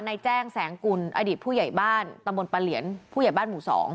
ในแจ้งแสงกุลอดีตผู้ใหญ่บ้านตำบลปะเหลียนผู้ใหญ่บ้านหมู่๒